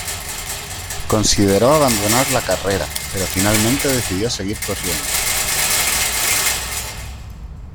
Consideró abandonar la carrera, pero finalmente decidió seguir corriendo.